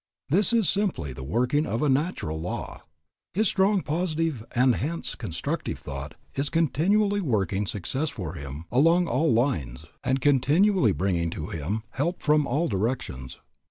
This is simply the working of a natural law. His strong, positive, and hence constructive thought is continually working success for him along all lines, and continually bringing to him help from all directions.